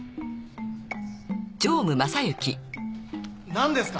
何ですか？